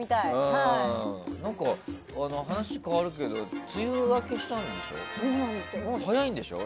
話変わるけど梅雨明けしたんでしょ。